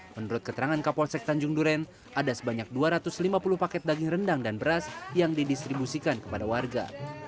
menurut keterangan kapolsek tanjung duren ada sebanyak dua ratus lima puluh paket daging rendang dan beras yang didistribusikan kepada warga